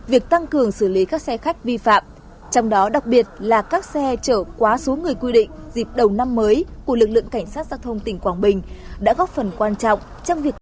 việc tăng cường xử lý các xe khách vi phạm trong đó đặc biệt là các xe chở quá số người quy định dịp đầu năm mới của lực lượng cảnh sát giao thông tỉnh quảng bình đã góp phần quan trọng